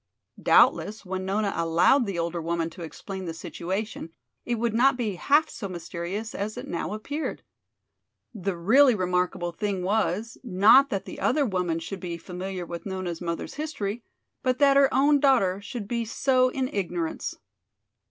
Doubtless when Nona allowed the older woman to explain the situation it would not be half so mysterious as it now appeared. The really remarkable thing was, not that the other woman should be familiar with Nona's mother's history, but that her own daughter should be so in ignorance.